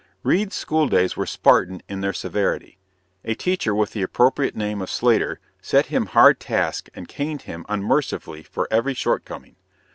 Reade's school days were Spartan in their severity. A teacher with the appropriate name of Slatter set him hard tasks and caned him unmercifully for every shortcoming.